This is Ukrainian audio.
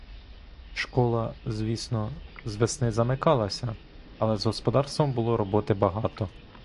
Школа, звісно, з весни замикалася, але з господарством було роботи багато.